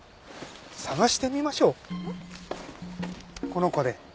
捜してみましょうこの子で。